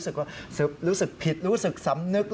แล้วเลยได้รู้สึกต่างผิดรู้สึกต่างธรรม